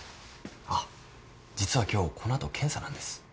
あっ実は今日この後検査なんです。